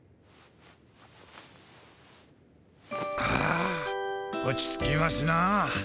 あ落ち着きますな。